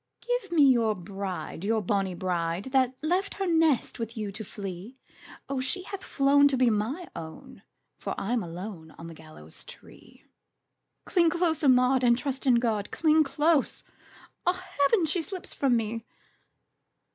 "Give me your bride, your bonnie bride, That left her nest with you to flee! O, she hath flown to be my own, For I'm alone on the gallows tree!" "Cling closer, Maud, and trust in God! Cling close! Ah, heaven, she slips from me!"